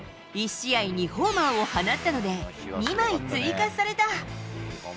１試合２ホーマーを放ったので、２枚追加された。